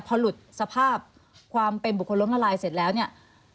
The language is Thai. พอหลุดสภาพความเป็นบุคคลล้มละลายเสร็จแล้วเนี่ย